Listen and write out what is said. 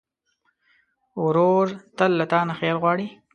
ورور تل له تا نه خیر غواړي.